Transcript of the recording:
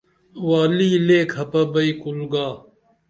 والی لے کھپہ بئی کُل گا